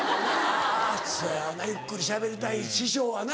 そやよなゆっくりしゃべりたい師匠はな。